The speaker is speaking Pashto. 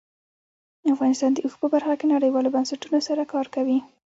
افغانستان د اوښ په برخه کې نړیوالو بنسټونو سره کار کوي.